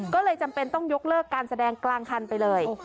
ก็เลยจำเป็นต้องยกเลิกการแสดงกลางคันไปเลย